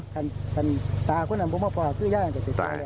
ก็หน้านี้ตามมาพ่อย่าจะทิชเวแหง